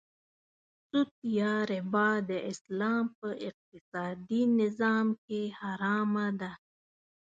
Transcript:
سود یا ربا د اسلام په اقتصادې نظام کې حرامه ده .